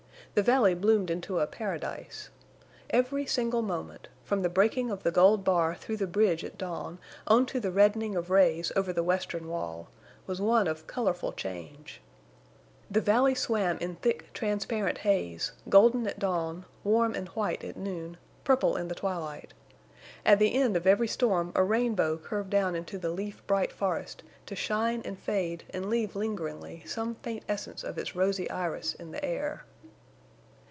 The valley bloomed into a paradise. Every single moment, from the breaking of the gold bar through the bridge at dawn on to the reddening of rays over the western wall, was one of colorful change. The valley swam in thick, transparent haze, golden at dawn, warm and white at noon, purple in the twilight. At the end of every storm a rainbow curved down into the leaf bright forest to shine and fade and leave lingeringly some faint essence of its rosy iris in the air.